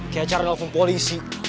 kayak caranya nelfon polisi